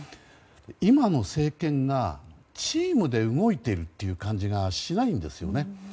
今の政権がチームで動いているという感じがしないんですよね。